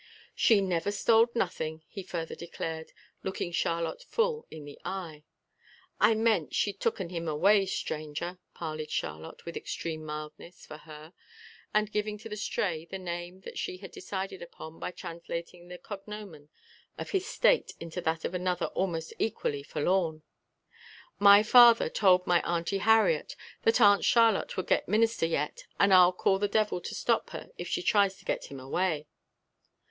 "She never stoled nothing," he further declared, looking Charlotte full in the eye. "I meant she tooken him away, Stranger," parleyed Charlotte with extreme mildness for her and giving to the Stray the name that she had decided upon by translating the cognomen of his state into that of another almost equally forlorn. "My father told my Auntie Harriet that Aunt Charlotte would git Minister yet and I'll call the devil to stop her if she tries to get him away."